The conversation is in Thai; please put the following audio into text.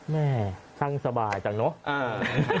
แม่ช่างสบายจังเนอะ